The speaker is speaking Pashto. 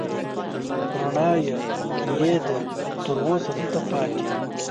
رڼايي يې ده، تر اوسه دلته پاتې